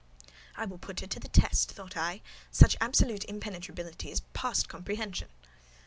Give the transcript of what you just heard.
"I will put her to some test," thought I: "such absolute impenetrability is past comprehension."